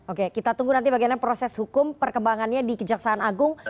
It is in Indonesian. oke kita tunggu nanti bagaimana proses hukum perkembangannya di kejaksaan agung